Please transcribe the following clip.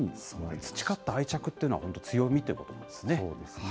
培った愛着というのは本当、強みということですよね。